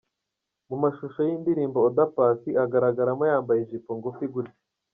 Mu mashusho y'iyi ndirimbo Oda Paccy agaragaramo yambaye ijipo ngufi ngutya.